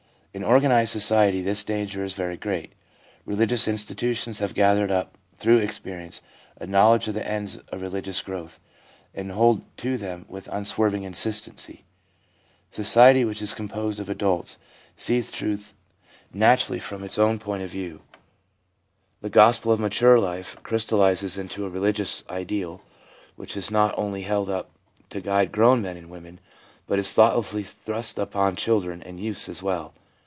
In organised society this danger is very great. Religious institutions have gathered up through experience a knowledge of the ends of religious growth, and hold to them with un swerving insistency. Society, which is composed of adults, sees truth naturally from its own point of view; SOME EDUCATIONAL INFERENCES 419 the gospel of mature life crystallises into a religious ideal which is not only held up to guide grown men and women, but is thoughtlessly thrust upon children and youths as well.